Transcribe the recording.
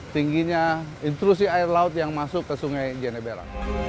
tingginya intrusi air laut yang masuk ke sungai jeneberang